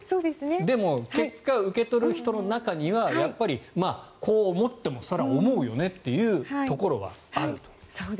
でも結果、受け取る人の中にはやっぱり、こう思ってもそれは思うよねというところはあると。